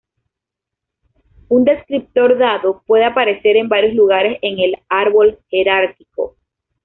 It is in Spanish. Un descriptor dado puede aparecer en varios lugares en el árbol jerárquico.